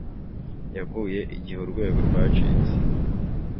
Yaguye igihe urwego rwacitse